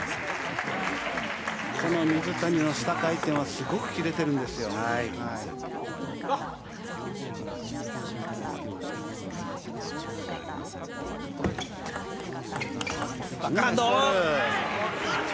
この水谷の下回転はすごく切れてるんですよ。